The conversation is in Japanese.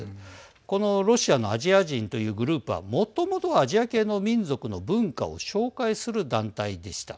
このロシアのアジア人というグループは、もともとはアジア系の民族の文化を紹介する団体でした。